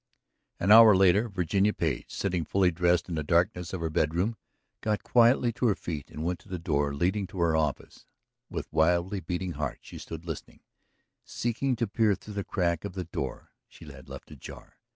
An hour later Virginia Page, sitting fully dressed in the darkness of her bedroom, got quietly to her feet and went to the door leading to her office. With wildly beating heart she stood listening, seeking to peer through the crack of the door she had left ajar.